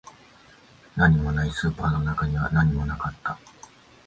何もない、スーパーの中には何もなかった